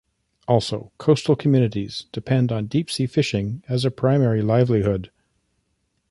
Also, coastal communities depend on deep-sea fishing as a primary livelihood.